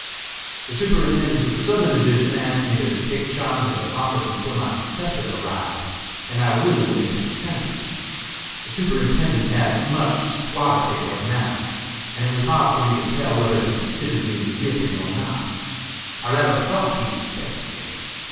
"The Superintendent of the Southern Division asked me to take charge of the office until my successor arrived, and I willingly consented. The Superintendent had much suavity of manner, and it was hard for me to tell whether he considered me guilty or not. I rather thought he suspected me.